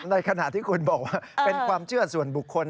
ในขณะที่คุณบอกว่าเป็นความเชื่อส่วนบุคคล